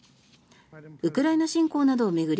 ウクライナ侵攻などを巡り